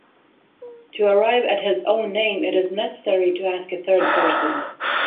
To arrive at his own name it is necessary to ask a third person.